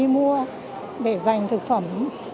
là đi mua để dành thực phẩm